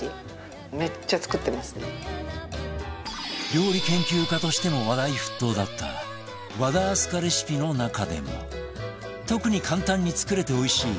料理研究家としても話題沸騰だった和田明日香レシピの中でも特に簡単に作れておいしい